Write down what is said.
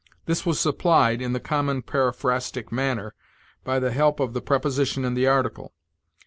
This was supplied, in the common periphrastic manner, by the help of the preposition and the article.